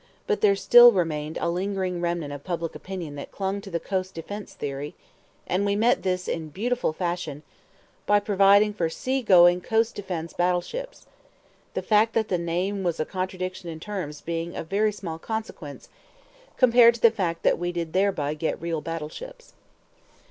But there still remained a lingering remnant of public opinion that clung to the coast defense theory, and we met this in beautiful fashion by providing for "sea going coast defense battle ships" the fact that the name was a contradiction in terms being of very small consequence compared to the fact that we did thereby get real battle ships.